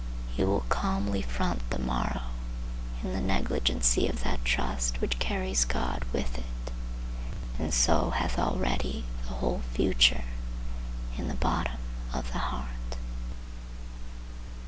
He will calmly front the morrow in the negligency of that trust which carries God with it and so hath already the whole future in the bottom of the heart.